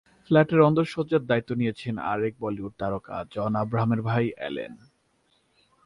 ফ্ল্যাটের অন্দরসজ্জার দায়িত্ব নিয়েছেন আরেক বলিউড তারকা জন আব্রাহামের ভাই অ্যালেন।